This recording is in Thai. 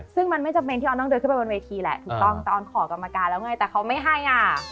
ซึ่งมันไม่จำเป็นที่ออนต้องเดินขึ้นไปบนเวทีแหละถูกต้องแต่ออนขอกรรมการแล้วไงแต่เขาไม่ให้อ่ะ